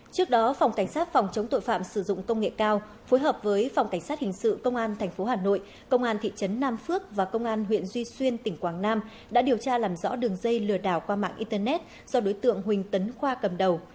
trước đó phòng cảnh sát phòng chống tội phạm sử dụng công nghệ cao phối hợp với phòng cảnh sát hình sự công an tp hà nội công an thị trấn nam phước và công an huyện duy xuyên tỉnh quảng nam đã điều tra làm rõ đường dây lừa đảo qua mạng internet do đối tượng huỳnh tấn khoa cầm đầu